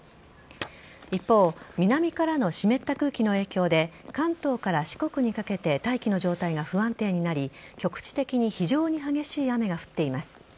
一方南からの湿った空気の影響で関東から四国にかけて大気の状態が不安定になり局地的に非常に激しい雨が降っています。